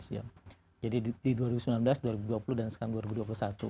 jadi di dua ribu sembilan belas dua ribu dua puluh dan sekarang dua ribu dua puluh satu